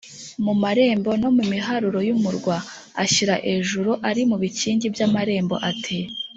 mu marembo no mu miharuro y’umurwa, ashyira ejuru ari mu bikingi by’amarembo ati